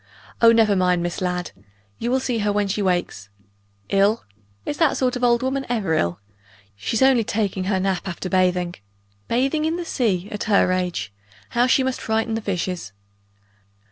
Oh, never mind Miss Ladd. You will see her when she wakes. Ill? Is that sort of old woman ever ill? She's only taking her nap after bathing. Bathing in the sea, at her age! How she must frighten the fishes!"